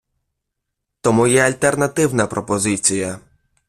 Тому є альтернативна пропозиція.